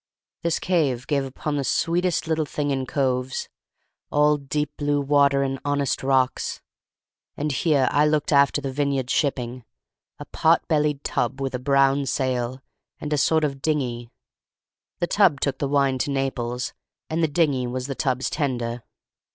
This cave gave upon the sweetest little thing in coves, all deep blue water and honest rocks; and here I looked after the vineyard shipping, a pot bellied tub with a brown sail, and a sort of dingy. The tub took the wine to Naples, and the dingy was the tub's tender.